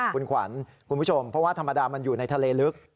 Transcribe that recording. คุณขวัญคุณผู้ชมเพราะว่าธรรมดามันอยู่ในทะเลลึก